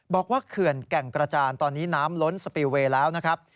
เขื่อนแก่งกระจานตอนนี้น้ำล้นสปีลเวย์แล้วนะครับ